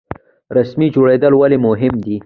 رسمي جریده ولې مهمه ده؟